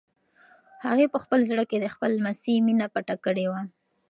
هغې په خپل زړه کې د خپل لمسي مینه پټه کړې وه.